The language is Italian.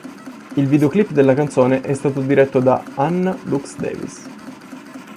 Il videoclip della canzone è stato diretto da Hannah Lux Davis.